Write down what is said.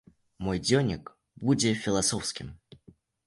Мой дзённік будзе філасофскім.